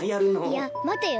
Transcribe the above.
いやまてよ。